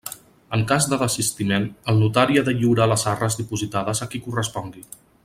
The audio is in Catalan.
En cas de desistiment, el notari ha de lliurar les arres dipositades a qui correspongui.